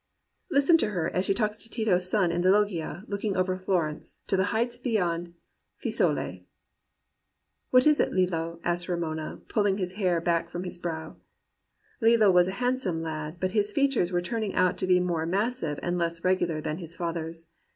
Listen to her as she talks to Tito's son in the loggia looking over Florence to the heights beyond Fiesole. " *What is it, Lillo?' said Romola, pulling his hair back from his brow. Lillo was a handsome lad, but his features were turning out to be more mas sive and less regular than his father's.